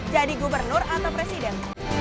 jadi gubernur atau presiden